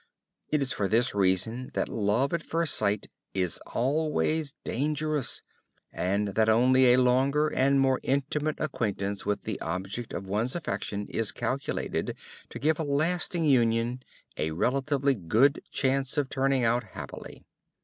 It is for this reason that love at first sight is always dangerous, and that only a longer and more intimate acquaintance with the object of one's affection is calculated to give a lasting union a relatively good chance of turning out happily.